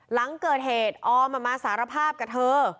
หลังเกิดเหตุออมมาสารภาพกับเธอ